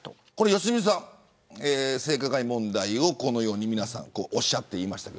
良純さん、性加害問題をこのように、皆さんおっしゃっていましたが。